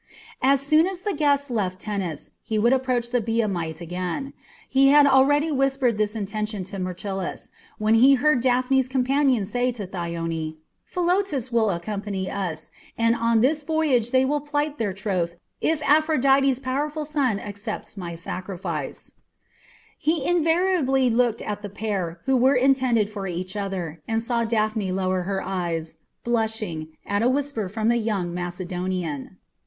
As soon as the guests left Tennis he would approach the Biamite again. He had already whispered this intention to Myrtilus, when he heard Daphne's companion say to Thyone, "Philotas will accompany us, and on this voyage they will plight their troth if Aphrodite's powerful son accepts my sacrifice." He involuntarily looked at the pair who were intended for each other, and saw Daphne lower her eyes, blushing, at a whisper from the young Macedonian.